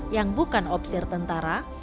yang bukan opsir tentara